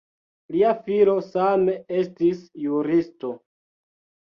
Lia filo same estis juristo.